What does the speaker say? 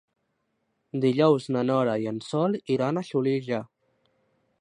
Dijous na Nora i en Sol iran a Xulilla.